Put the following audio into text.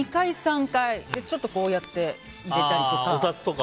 ２回、３回ちょっとこうやって入れたりとか。